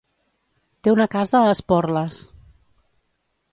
Té una casa a Esporles.